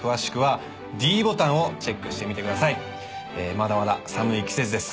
まだまだ寒い季節です。